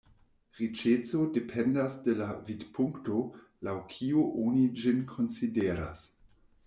Riĉeco dependas de la vidpunkto, laŭ kiu oni ĝin konsideras.